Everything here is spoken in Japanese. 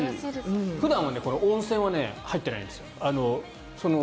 普段は温泉は入ってないんです。